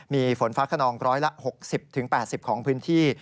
มีฝนฟ้าขนองร้อยละ๖๐๘๐ของพื้นที่